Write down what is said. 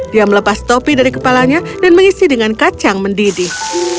dia melepas topi dari kepalanya dan mengisi dengan kacang mendidih